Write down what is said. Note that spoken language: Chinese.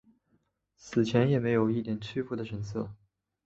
死前也没有一点屈服的神色。